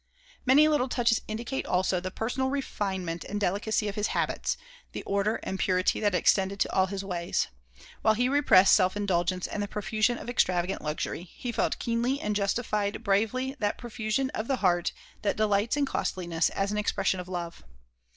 Many little touches indicate, also, the personal refinement and delicacy of his habits, the order and purity that extended to all his ways. While he repressed self indulgence and the profusion of extravagant luxury, he felt keenly and justified bravely that profusion of the heart that delights in costliness as an expression of love.